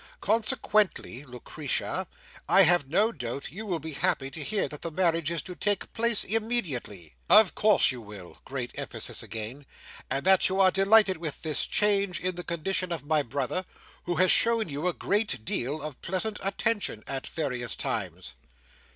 Consequently, Lucretia, I have no doubt you will be happy to hear that the marriage is to take place immediately—of course, you will:" great emphasis again: "and that you are delighted with this change in the condition of my brother, who has shown you a great deal of pleasant attention at various times."